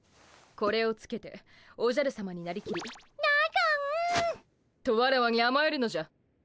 これをつけておじゃるさまになりきり「なごん」とワラワにあまえるのじゃ。